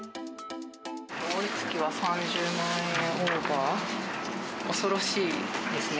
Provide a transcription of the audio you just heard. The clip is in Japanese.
多い月は３０万円オーバー、恐ろしいですね。